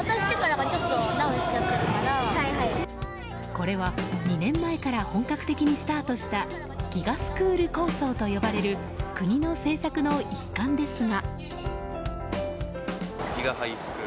これは２年前から本格的にスタートしたＧＩＧＡスクール構想と呼ばれる国の政策の一環ですが。